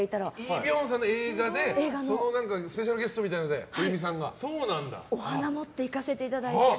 イ・ビョンホンさんの映画でスペシャルゲストみたいなのでお花持っていかせていただいて。